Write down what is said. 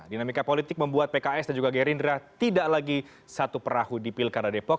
dinamika politik membuat pks dan juga gerindra tidak lagi satu perahu di pilkada depok